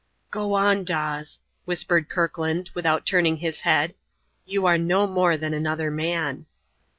"Go on, Dawes," whispered Kirkland, without turning his head. "You are no more than another man."